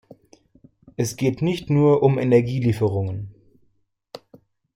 Es geht nicht nur um Energielieferungen.